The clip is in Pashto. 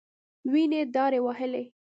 وينې دارې وهلې.